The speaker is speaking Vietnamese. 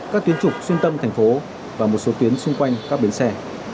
các tuyến trục xuyên tâm thành phố và một số tuyến xung quanh các bến xe